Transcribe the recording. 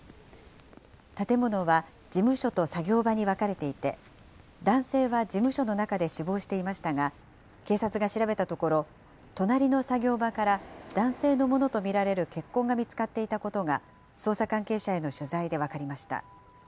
建物は事務所と作業場に分かれていて、男性は事務所の中で死亡していましたが、警察が調べたところ、隣の作業場から、男性のものと見られる血痕が見つかっていたことが捜査関係者への取材で分かりました。